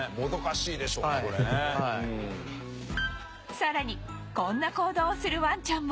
さらにこんな行動をするワンちゃんも